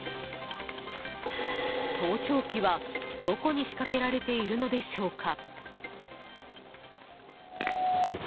盗聴器は、どこに仕掛けられているのでしょうか。